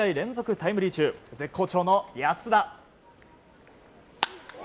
タイムリー中絶好調の安田。